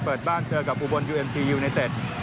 เปิดบ้านเจอกับอุบลยูเอ็มซียูไนเต็ด